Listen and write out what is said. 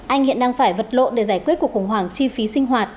anh hiện đang phải vật lộn để giải quyết cuộc khủng hoảng chi phí sinh hoạt